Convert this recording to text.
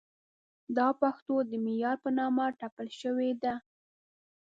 دا پښتو د معیار په نامه ټپل شوې ده.